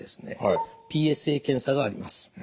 ＰＳＡ検査があります。